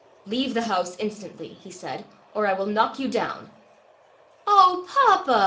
"Leave the house instantly," he said, "or I will knock you down." "O papa!"